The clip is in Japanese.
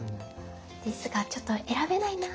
ですがちょっと選べないな。